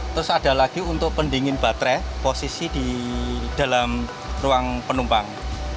terus ada lagi untuk pendingin baterai posisi di dalam ruang penumpang